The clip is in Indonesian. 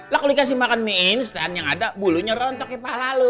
lah kalo dikasih makan mie instan yang ada bulunya rontok kepala lu